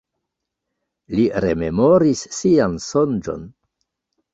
Li rememoris sian sonĝon.